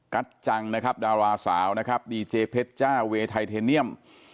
จังนะครับดาราสาวนะครับดีเจเพชรจ้าเวย์ไทเทเนียม